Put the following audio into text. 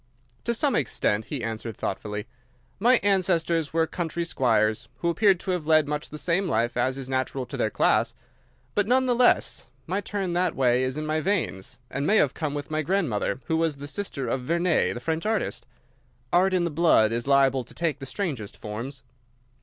"To some extent," he answered, thoughtfully. "My ancestors were country squires, who appear to have led much the same life as is natural to their class. But, none the less, my turn that way is in my veins, and may have come with my grandmother, who was the sister of Vernet, the French artist. Art in the blood is liable to take the strangest forms."